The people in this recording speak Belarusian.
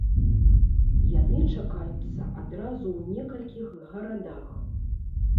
Яны чакаюцца адразу ў некалькіх гарадах.